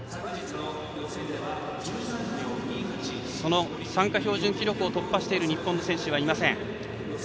その参加標準記録を突破している日本選手はいません。